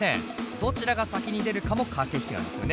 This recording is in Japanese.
どちらが先に出るかも駆け引きなんですよね？